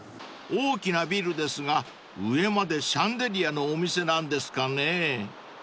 ［大きなビルですが上までシャンデリアのお店なんですかね？］